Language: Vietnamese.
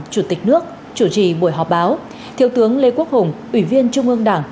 chủ tịch nước chủ trì buổi họp báo thiếu tướng lê quốc hùng ủy viên trung ương đảng